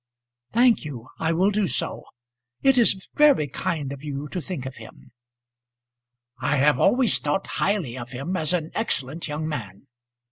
"Thank you. I will do so. It is very kind of you to think of him." "I have always thought highly of him as an excellent young man."